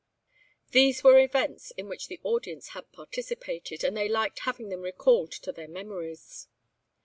These were events in which the audience had participated, and they liked having them recalled to their memories.